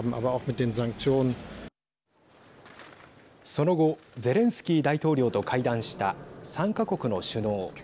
その後ゼレンスキー大統領と会談した３か国の首脳。